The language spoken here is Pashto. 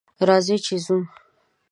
راځئ چې ځو